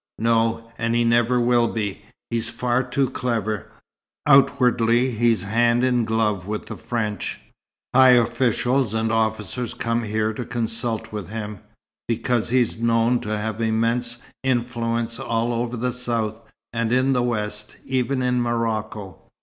"No. And he never will be. He's far too clever. Outwardly he's hand in glove with the French. High officials and officers come here to consult with him, because he's known to have immense influence all over the South, and in the West, even in Morocco.